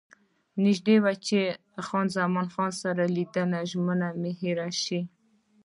نژدې وو چې له خان زمان سره د لیدو ژمنه مې هېره شي.